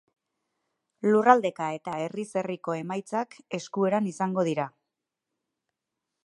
Lurraldeka eta herriz herriko emaitzak eskueran izango dira.